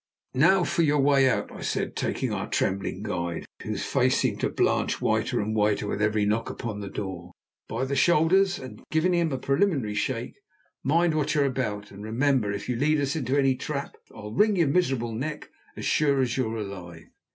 "Now, for your way out," I said, taking our trembling guide, whose face seemed to blanch whiter and whiter with every knock upon the door, by the shoulders, and giving him a preliminary shake. "Mind what you're about, and remember, if you lead us into any trap, I'll wring your miserable neck, assure as you're alive.